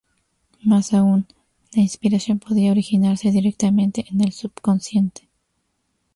Más aún, la inspiración podía originarse directamente en el subconsciente.